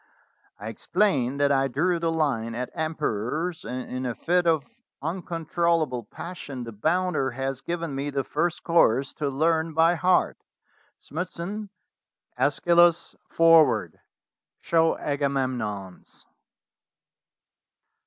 I explained that I drew the line at emperors, and in a fit of uncontrollable passion the bounder has given me the first chorus to learn by heart. Smithson, ^Eschylus forward. Show Aga memnons."